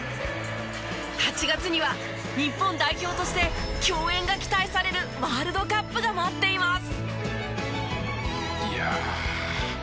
８月には日本代表として共演が期待されるワールドカップが待っています。